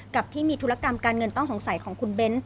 กับที่มีธุรกรรมการเงินต้องสงสัยของคุณเบ้น